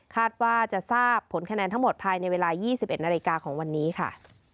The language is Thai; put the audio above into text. ว่าจะทราบผลคะแนนทั้งหมดภายในเวลา๒๑นาฬิกาของวันนี้ค่ะ